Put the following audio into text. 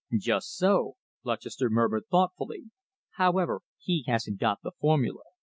"Just so," Lutchester murmured thoughtfully. "However, he hasn't got the formula."